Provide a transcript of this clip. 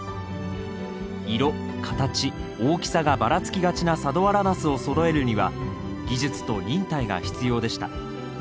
色形大きさがバラつきがちな佐土原ナスをそろえるには技術と忍耐が必要でした。